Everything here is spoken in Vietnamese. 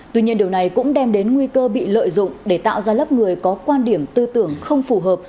tuy nhiên điều này cũng đem đến nguy cơ bị lợi dụng để tạo ra lớp người có quan điểm tư tưởng không phù hợp